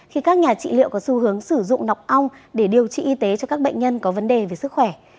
khi các nhà trị liệu có xu hướng sử dụng nọc ong để điều trị y tế cho các bệnh nhân có vấn đề về sức khỏe